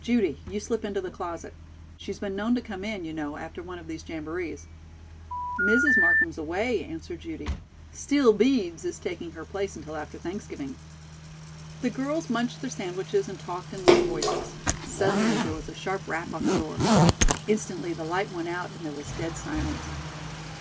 Judy, you slip into the closet. She's been known to come in, you know, after one of these jamborees." "Mrs. Markham's away," answered Judy. "'Steel beads' is taking her place until after Thanksgiving." The girls munched their sandwiches and talked in low voices. Suddenly there was a sharp rap on the door. Instantly the light went out and there was dead silence.